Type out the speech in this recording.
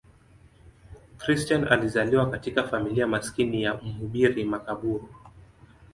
Christian alizaliwa katika familia maskini ya mhubiri makaburu.